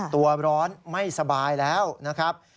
ตัวร้อนไม่สบายแล้วนะครับ